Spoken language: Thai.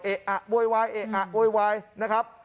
เอ๊ะอะโบ๊ยวายเอ๊ะอะโบ๊ยวายนะครับ